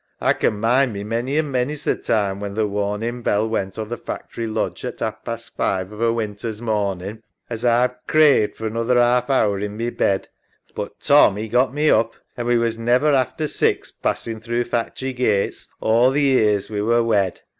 A can mind me many an' many's the time when th' warnin' bell went on th' factory lodge at ha'f past five of a winter's mornin' as A've craved for another ha'f hour in my bed, but Tom 'e got me oop an' we was never after six passin' LONESOME LIKE 291 through factory gates all th' years we were wed.